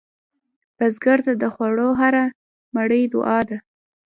بزګر ته د خوړو هره مړۍ دعا ده